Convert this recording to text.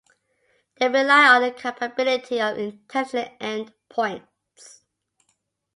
They rely on the capability of intelligent end points.